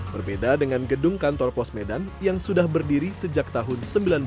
berbeda dengan gedung kantor pos medan yang sudah berdiri sejak tahun seribu sembilan ratus sembilan puluh